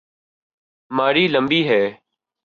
ماری لمبی ہے۔